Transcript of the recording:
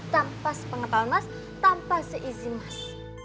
tanpa sepengetahuan mas tanpa seizin mas